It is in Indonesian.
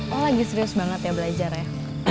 oh lagi serius banget ya belajar ya